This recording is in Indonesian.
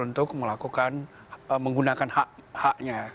untuk melakukan menggunakan haknya